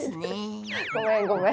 ごめんごめん。